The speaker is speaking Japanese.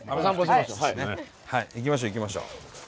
行きましょう行きましょう。